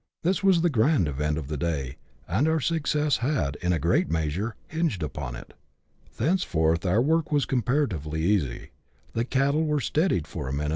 This was the grand event of the day, and our success had, in a great measure, hinged upon it. Thenceforth our work was comparatively easy. The cattle were " steadied " for a minute CHAP.